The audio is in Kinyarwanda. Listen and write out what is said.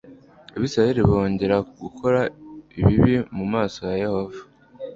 abisirayeli bongera gukora ibibi mu maso ya yehova